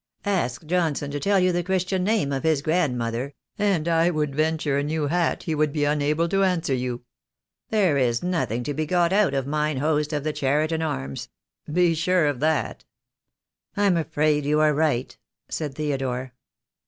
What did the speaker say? Ask Johnson to tell you the Christian name of his grandmother, and I would venture a new hat he would be unable to answer you. There is nothing to be got out of mine host of the Cheriton Arms. Be sure ol that." "I'm afraid you are right," said Theodore.